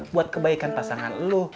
buat kebaikan pasangan lu